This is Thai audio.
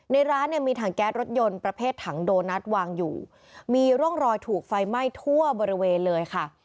ร้านเนี่ยมีถังแก๊สรถยนต์ประเภทถังโดนัทวางอยู่มีร่องรอยถูกไฟไหม้ทั่วบริเวณเลยค่ะ